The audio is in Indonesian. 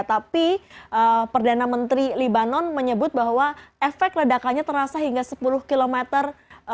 tapi perdana menteri libanon menyebut bahwa efek ledakannya terasa hingga sepuluh kilometer